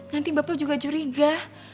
nanti bapak juga curiga